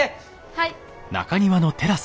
はい。